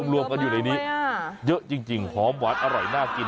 รวมกันอยู่ในนี้เยอะจริงหอมหวานอร่อยน่ากิน